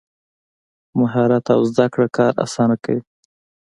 مهارت او زده کړه کار اسانه کوي.